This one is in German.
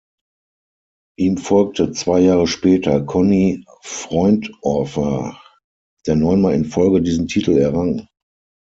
Ihm folgte zwei Jahre später Conny Freundorfer, der neunmal in Folge diesen Titel errang.